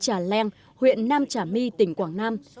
trà leng huyện nam trà my tỉnh quảng nam